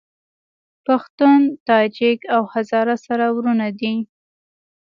پښتون، تاجک او هزاره سره وروڼه دي